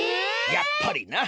やっぱりな。